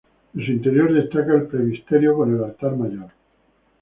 De su interior destaca el presbiterio con el altar mayor.